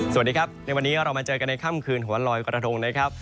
สวัสดีครับในวันนี้เรามาเจอกันในค่ำคืนหัวลอยกระทงนะครับ